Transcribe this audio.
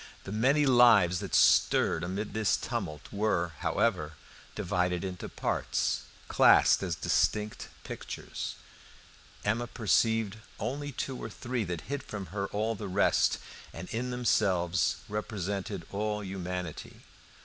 The many lives that stirred amid this tumult were, however, divided into parts, classed as distinct pictures. Emma perceived only two or three that hid from her all the rest, and in themselves represented all humanity.